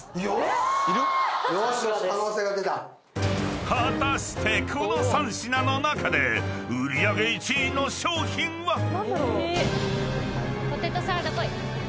［果たしてこの３品の中で売り上げ１位の商品は⁉］